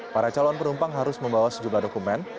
para calon penumpang harus membawa sejumlah dokumen